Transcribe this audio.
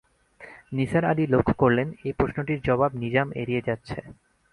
নিসার আলি লক্ষ করলেন, এই প্রশ্নটির জবাব নিজাম এড়িয়ে যাচ্ছে।